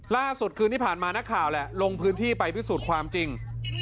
ล่าสุดคืนที่ผ่านมานักข่าวแหละลงพื้นที่ไปพิสูจน์ความจริง